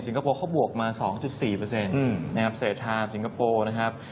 คโปร์เขาบวกมา๒๔นะครับเศรษฐาสิงคโปร์นะครับ